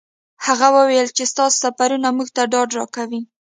هغه وویل چې ستاسو سفرونه موږ ته ډاډ راکوي.